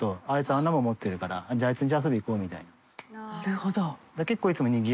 なるほど。